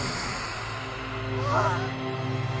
あっ。